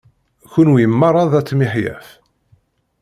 Kunwi meṛṛa d at miḥyaf.